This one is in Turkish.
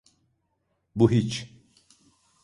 Bu hiç…